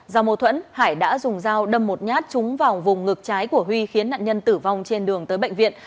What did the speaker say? do mâu thuẫn hải đã dùng dao đâm một nhát trúng vào vùng ngực trái của huy khiến nạn nhân tử vong trên đường tới bệnh viện